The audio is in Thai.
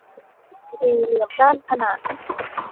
สี่เหลี่ยมด้านขนาน